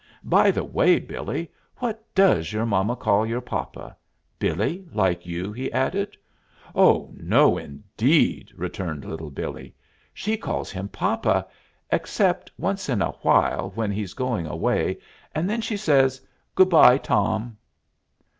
By the way, Billee, what does your mama call your papa? 'Billee,' like you?" he added. "Oh, no, indeed," returned Little Billee. "She calls him papa, except once in a while when he's going away, and then she says, 'Good by, Tom.'"